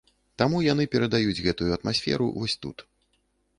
Таму яны перадаюць гэтую атмасферу вось тут.